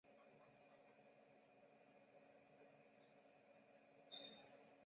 南印度洋穆氏暗光鱼为辐鳍鱼纲巨口鱼目褶胸鱼科的其中一种。